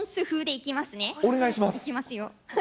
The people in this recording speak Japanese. いきますよ。